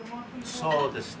そうですね。